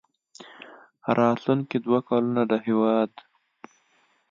راتلونکي دوه کلونه د هېواد